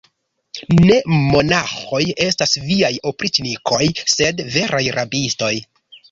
Ne monaĥoj estas viaj opriĉnikoj, sed veraj rabistoj.